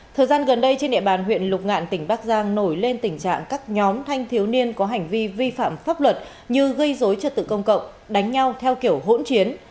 thời gian gần đây trên địa bàn huyện lục ngạn tỉnh bắc giang nổi lên tình trạng các nhóm thanh thiếu niên có hành vi vi phạm pháp luật như gây dối trật tự công cộng đánh nhau theo kiểu hỗn chiến